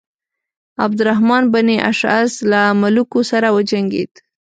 عبدالرحمن بن اشعث له ملوکو سره وجنګېد.